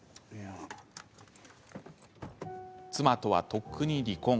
妻とは、とっくに離婚。